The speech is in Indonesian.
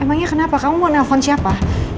emangnya kenapa kamu mau nelfon siapa